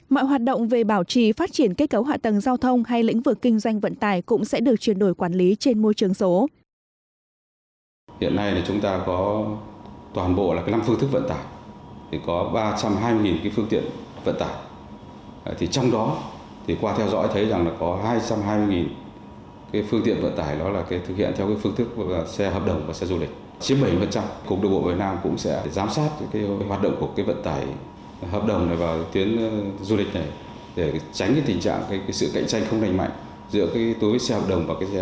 mọi hoạt động về bảo trì phát triển kết cấu hạ tầng giao thông hay lĩnh vực kinh doanh vận tải cũng sẽ được chuyển đổi quản lý trên môi trường số